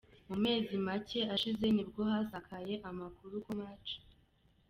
Mu mezi make ashize nibwo hasakaye amakuru ko Maj.